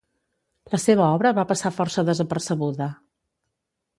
La seva obra va passar força desapercebuda.